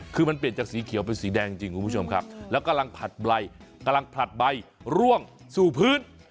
คือมันเปลี่ยนจากสีเขียวเป็นสีแดงจริงคุณผู้ชมครับแล้วกำลังผลัดใบกำลังผลัดใบร่วงสู่พื้น